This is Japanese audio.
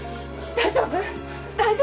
大丈夫？